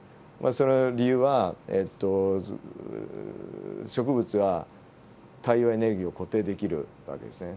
その理由は植物は太陽エネルギーを固定できる訳ですね。